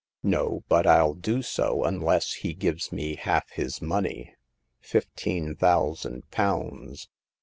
No ; but ril do so unless he gives me half his money — fifteen thousand pounds.